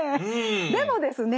でもですね